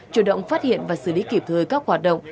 chủ động phát hiện và xử lý kịp thời các hoạt động